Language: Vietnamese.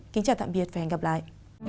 xin chào và hẹn gặp lại